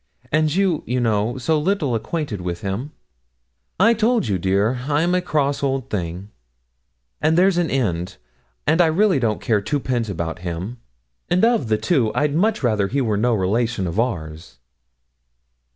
and you, you know, so little acquainted with him.' 'I told you, dear, I'm a cross old thing and there's an end; and I really don't care two pence about him; and of the two I'd much rather he were no relation of ours.'